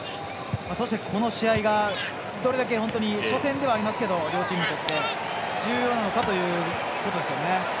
そして、この試合がどれだけ初戦ではありますけど両チームにとって重要なのかということですね。